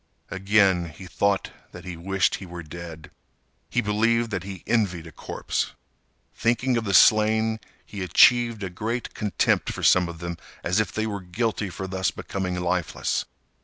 Again he thought that he wished he was dead. He believed that he envied a corpse. Thinking of the slain, he achieved a great contempt for some of them, as if they were guilty for thus becoming lifeless.